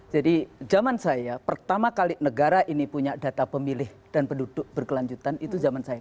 jadi zaman saya pertama kali negara ini punya data pemilih dan penduduk berkelanjutan itu zaman saya